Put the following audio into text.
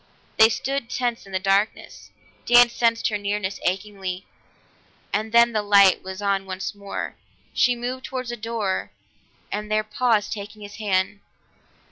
They stood tense in the darkness; Dan sensed her nearness achingly, and then the light was on once more. She moved toward the door, and there paused, taking his hand.